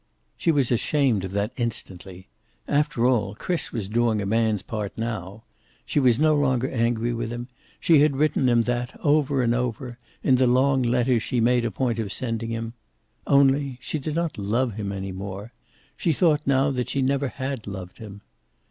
She was ashamed of that instantly. After all, Chris was doing a man's part now. She was no longer angry with him. She had written him that, over and over, in the long letters she had made a point of sending him. Only, she did not love him any more. She thought now that she never had loved him.